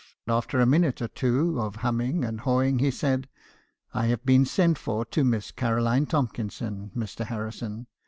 After a minute or two of humming and hawing, he said — "'I have been sent for to Miss Caroline Tomkinson, Mr. Harrison.